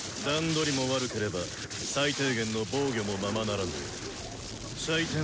段取りも悪ければ最低限の防御もままならない。